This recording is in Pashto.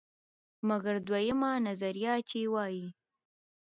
مګر دویمه نظریه، چې وایي: